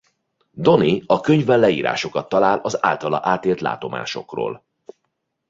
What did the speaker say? Donnie a könyvben leírásokat talál az általa átélt látomásokról.